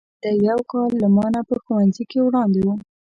دی یو کال له ما نه په ښوونځي کې وړاندې و.